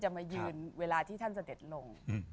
มายืนเวลาที่ท่านเสด็จลง